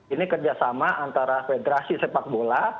ini kerjasama antara federasi sepak bola